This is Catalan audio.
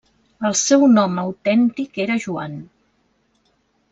El seu nom autèntic era Joan.